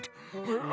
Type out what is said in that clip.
ああ